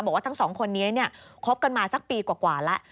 บอกว่าทั้งสองคนนี้เนี่ยครบกันมาสักปีกว่าละ